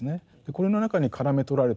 これの中にからめとられていく。